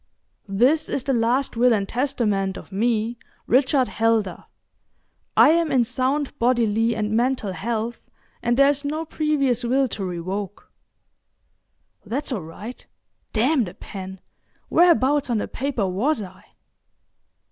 —"This is the last will and testament of me, Richard Heldar. I am in sound bodily and mental health, and there is no previous will to revoke."—That's all right. Damn the pen! Whereabouts on the paper was I?